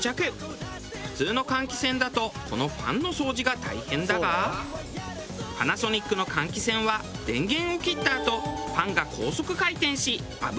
普通の換気扇だとこのファンの掃除が大変だがパナソニックの換気扇は電源を切ったあとファンが高速回転し油を吹き飛ばす。